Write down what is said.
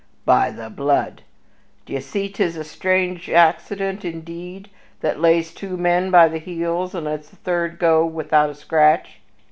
"By the blood! d'ye see 'tis a strange accident, indeed, that lays two men by the heels and lets the third go without a scratch!"